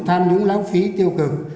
tham nhũng lãng phí tiêu cực